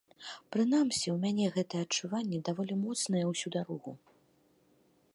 Прынамсі ў мяне гэтае адчуванне даволі моцнае ўсю дарогу.